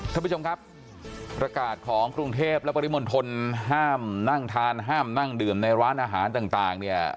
ท่านผู้ชมครับประกาศของกรุงเทพและปริมณฑลห้ามนั่งทานห้ามนั่งดื่มในร้านอาหารต่างเนี่ย